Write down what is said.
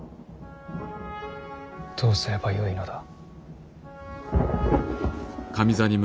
どうすればよいのだ。